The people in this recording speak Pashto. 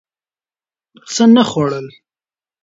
څه نه خوړل